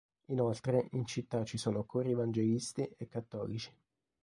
Inoltre in città ci sono cori evangelisti e cattolici.